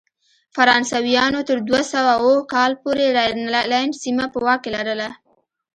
فرانسویانو تر دوه سوه اووه کال پورې راینلنډ سیمه په واک کې لرله.